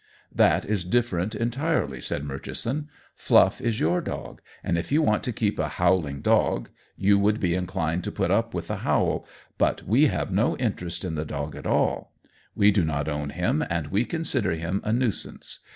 "That is different entirely," said Murchison. "Fluff is your dog, and if you want to keep a howling dog, you would be inclined to put up with the howl, but we have no interest in the dog at all. We do not own him, and we consider him a nuisance.